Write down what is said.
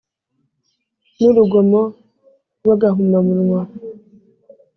Nurugomo rw’ agahomamunwa.